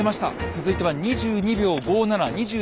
続いては２２秒５７２２秒５７！